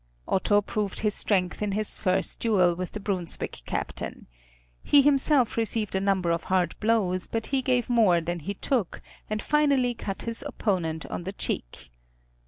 Otto proved his strength in this first duel with the Brunswick captain. He himself received a number of hard blows, but he gave more than he took, and finally cut his opponent on the cheek.